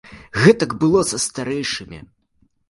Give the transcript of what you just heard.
Гэтак было са старэйшымі.